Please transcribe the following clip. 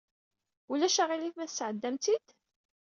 Ulac aɣilif ma tesɛeddam-tt-id?